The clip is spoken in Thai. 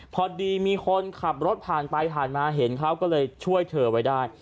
พอดีมีคนขับรถผ่านไปผ่านมาเห็นเขาก็เลยช่วยเธอไว้ได้